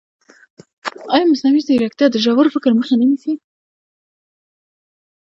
ایا مصنوعي ځیرکتیا د ژور فکر مخه نه نیسي؟